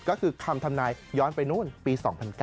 ก็คือคำทำนายย้อนไปนู่นปี๒๐๐๙